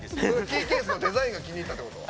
キーケースのデザインが気に入ったってこと？